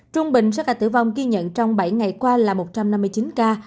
trung bình số ca tử vong ghi nhận trong bảy ngày qua là một trăm năm mươi chín ca